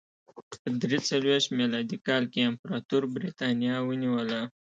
په درې څلوېښت میلادي کال کې امپراتور برېټانیا ونیوله